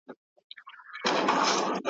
ړوند په څراغ څه کوي ,